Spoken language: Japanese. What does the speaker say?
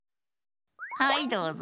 はいどうぞ。